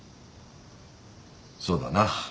そうだな。